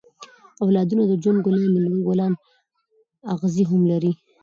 اولادونه د ژوند ګلان دي؛ مکر ګلان اغزي هم لري.